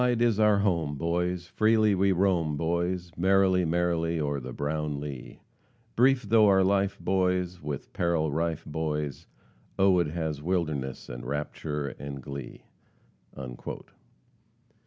"Wide is our home, boys, Freely we roam, boys, Merrily, merrily, o'er the brown lea; Brief though our life, boys, With peril rife, boys, Oh! it has wildness, and rapture, and glee."